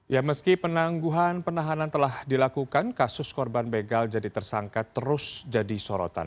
ya meski penangguhan penahanan telah dilakukan kasus korban begal jadi tersangka terus jadi sorotan